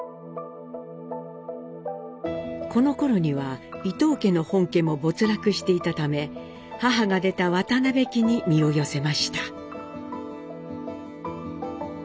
このころには伊藤家の本家も没落していたため母が出た渡邉家に身を寄せました。